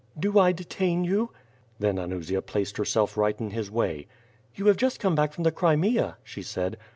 "Do I detain you?" Then Anusia placed herself right in his way. '*You have just come back from the Crimea?" she said.